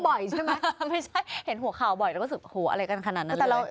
ไม่ใช่เห็นหัวข่าวบ่อยแล้วก็สุดหัวอะไรกันขนาดนั้นเลย